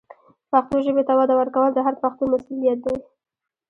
پښتو ژبې ته وده ورکول د هر پښتون مسؤلیت دی.